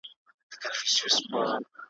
د پکتیکا زلزلې .